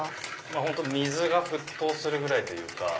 本当水が沸騰するぐらいというか。